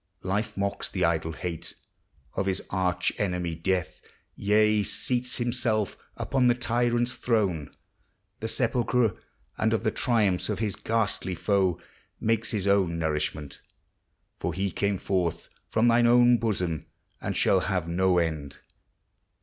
Life mocks the idle hate Of his arch enemy Death, — yea, seats himself Upon the tyrant's throne, the sepulchre, And of the triumphs of his ghastly foe Makes his own nourishment. For he came forth From thine own bosom, and shall have no end.